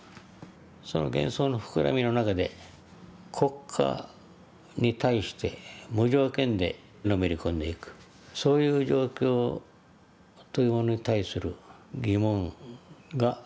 その幻想の膨らみの中で国家に対して無条件でのめり込んでいくそういう状況というものに対する疑問が当然出てきたわけで。